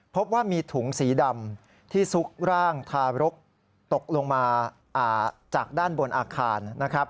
พบว่ามีถุงสีดำที่ซุกร่างทารกตกลงมาจากด้านบนอาคารนะครับ